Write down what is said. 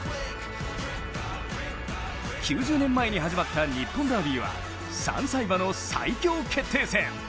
９０年前に始まった日本ダービーは３歳馬の最強決定戦。